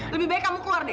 lebih baik kamu keluar deh